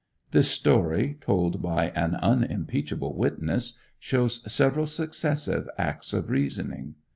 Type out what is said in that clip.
This story, told by an unimpeachable witness, shows several successive acts of reasoning.